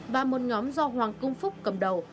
và một nhóm do hoàng công phúc cầm đầu